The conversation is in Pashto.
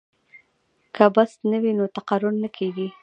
که بست نه وي نو تقرر نه کیږي.